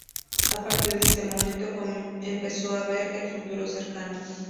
A partir de este momento empezó a ver el futuro cercano.